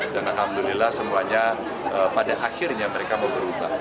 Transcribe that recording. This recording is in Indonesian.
dan alhamdulillah semuanya pada akhirnya mereka mau berubah